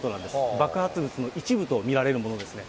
爆発物の一部と見られるものですね。